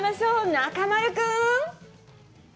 中丸君。